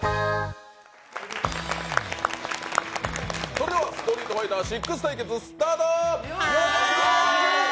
それでは「ストリートファイター６」対決、スタート。